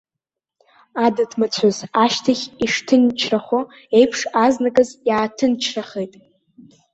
Адыдмацәыс ашьҭахь ишҭынчрахо еиԥш азныказ иааҭынчрахеит.